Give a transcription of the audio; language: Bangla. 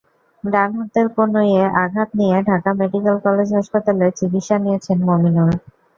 ডান হাতের কনুইয়ে আঘাত নিয়ে ঢাকা মেডিকেল কলেজ হাসপাতালের চিকিৎসা নিয়েছেন মমিনুল।